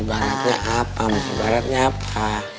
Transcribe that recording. ibaratnya apa ma ibaratnya apa